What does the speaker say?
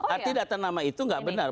artinya data nama itu tidak benar